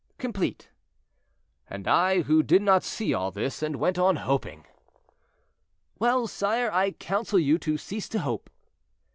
"Complete." "And I, who did not see all this, and went on hoping." "Well, sire, I counsel you to cease to hope."